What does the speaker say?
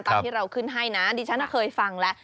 ที่เราขึ้นให้นะดิฉันเคยฟังแล้ว